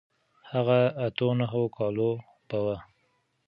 هغه اتو نهو کالو به و.